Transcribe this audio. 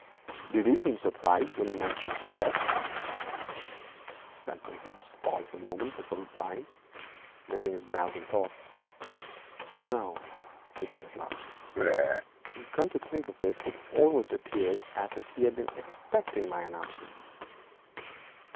'Did he show any surprise when you mentioned the theft?' Bentham Gibbes paused a moment before replying, knitting his brows in thought. 'No,' he said at last; 'and, come to think of it, it appeared as if he had been expecting my announcement.'